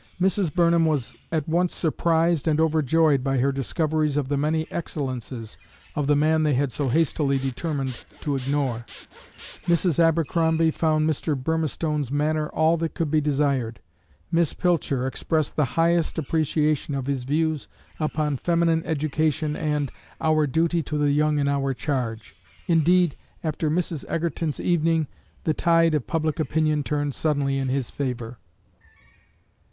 Mrs. Burnham was at once surprised and overjoyed by her discoveries of the many excellences of the man they had so hastily determined to ignore. Mrs. Abercrombie found Mr. Burmistone's manner all that could be desired. Miss Pilcher expressed the highest appreciation of his views upon feminine education and "our duty to the young in our charge." Indeed, after Mrs. Egerton's evening, the tide of public opinion turned suddenly in his favor.